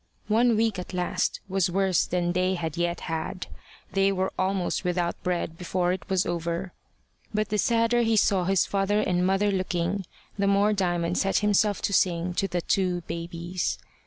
One week at last was worse than they had yet had. They were almost without bread before it was over. But the sadder he saw his father and mother looking, the more Diamond set himself to sing to the two babies.